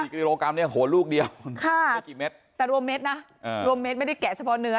กิโลกรัมเนี่ยโหลูกเดียวไม่กี่เม็ดแต่รวมเม็ดนะรวมเม็ดไม่ได้แกะเฉพาะเนื้อ